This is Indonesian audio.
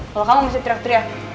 kalau kamu masih teriak teriak